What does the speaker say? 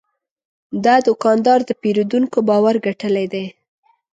دا دوکاندار د پیرودونکو باور ګټلی دی.